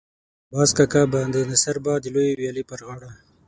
باز کاکا به د ناصر باغ د لویې ويالې پر غاړه.